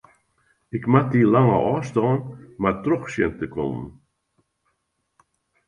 Ik moat dy lange ôfstân mar troch sjen te kommen.